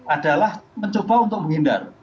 adalah mencoba untuk menghindar